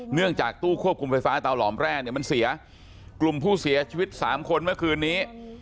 เนื่องจากตู้ควบคุมไฟฟ้าเตาหลอมแร่เนี่ยมันเสียกลุ่มผู้เสียชีวิตสามคนเมื่อคืนนี้